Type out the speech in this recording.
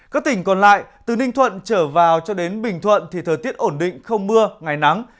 các tỉnh còn lại từ ninh thuận trở vào cho đến bình thuận thì thời tiết ổn định không mưa ngày nắng